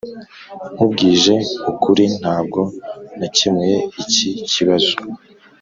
nkubwije ukuri, ntabwo nakemuye iki kibazo